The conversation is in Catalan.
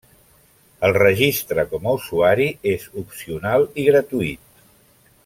El registre com a usuari és opcional i gratuït.